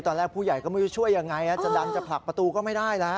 ตอนแรกผู้ใหญ่ก็ไม่รู้ช่วยยังไงจะดังจะผลักประตูก็ไม่ได้แล้ว